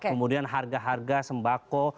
kemudian harga harga sembako